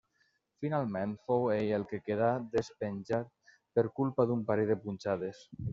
Finalment fou ell el que quedà despenjat per culpa d'un parell de punxades.